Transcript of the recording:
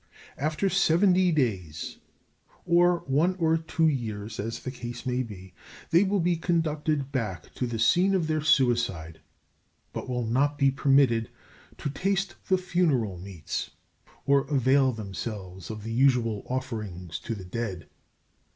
After seventy days, or one or two years as the case may be, they will be conducted back to the scene of their suicide, but will not be permitted to taste the funeral meats, or avail themselves of the usual offerings to the dead.